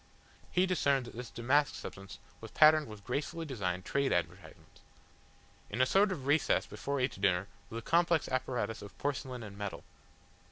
He discerned that this damask substance was patterned with gracefully designed trade advertisements. In a sort of recess before each diner was a complex apparatus of porcelain and metal.